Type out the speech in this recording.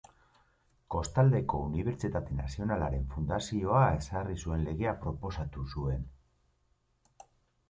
Kostaldeko Unibertsitate Nazionalaren fundazioa ezarri zuen legea proposatu zuen.